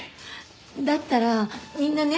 だったらみんなね。